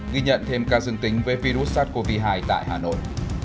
ghi nhận thêm ca dương tính với virus sars cov hai tại hà nội